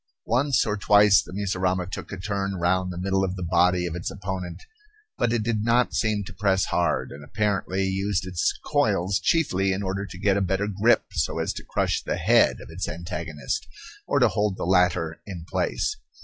Once or twice the mussurama took a turn round the middle of the body of its opponent, but it did not seem to press hard, and apparently used its coils chiefly in order to get a better grip so as to crush the head of its antagonist, or to hold the latter in place.